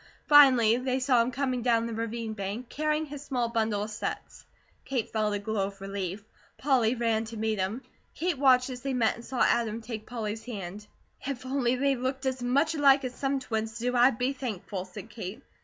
Finally they saw him coming down the ravine bank, carrying his small bundle of sets. Kate felt a glow of relief; Polly ran to meet him. Kate watched as they met and saw Adam take Polly's hand. "If only they looked as much alike as some twins do, I'd be thankful," said Kate.